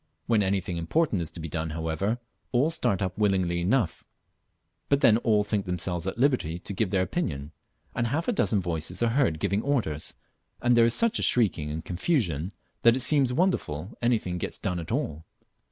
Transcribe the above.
When anything important is to be done, however, all start up willingly enough, but then all think themselves at liberty to give their opinion, and half a dozen voices are heard giving orders, and there is such a shrieking and confusion that it seems wonderful anything gets done at all.